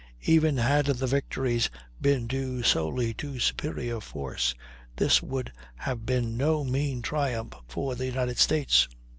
Even had the victories been due solely to superior force this would have been no mean triumph for the United States.